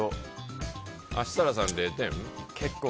設楽さん、０点？